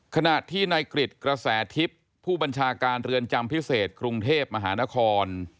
ขณะที่นายกริจกระแสทิพย์ผู้บัญชาการเรือนจำพิเศษกรุงเทพมหานคร